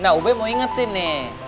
nah ube mau ingetin nih